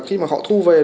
khi mà họ thu về